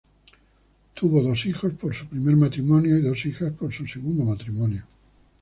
Tuvo dos hijos por su primer matrimonio y dos hijas por su segundo matrimonio.